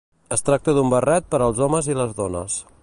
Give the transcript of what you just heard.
Es tracta d'un barret per als homes i les dones.